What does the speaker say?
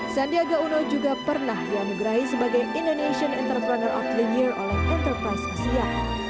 sandiaga uno juga pernah dianugerahi sebagai indonesian entrepreneur of the year oleh enterprise asia